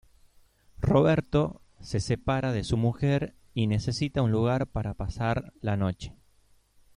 Roberto se separa de su mujer y necesita un lugar para pasar la noche.